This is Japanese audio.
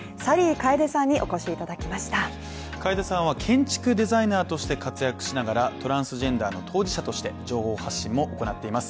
楓さんは建築デザイナーとして活躍しながら、トランスジェンダーの当事者として情報発信も行っています。